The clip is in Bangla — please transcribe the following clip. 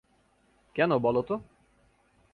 কেন বল তো?